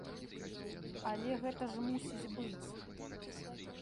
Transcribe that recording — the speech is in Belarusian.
Але гэта ж мусіць быць.